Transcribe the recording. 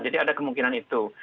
jadi ada kemungkinan itu